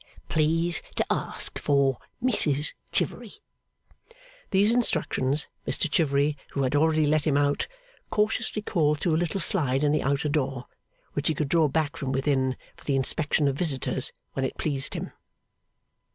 Please to ask for Mrs Chivery!' These instructions, Mr Chivery, who had already let him out, cautiously called through a little slide in the outer door, which he could draw back from within for the inspection of visitors when it pleased him.